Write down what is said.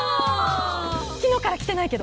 昨日から来てないけど。